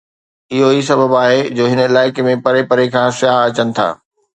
اهو ئي سبب آهي جو هن علائقي ۾ پري پري کان سياح اچن ٿا.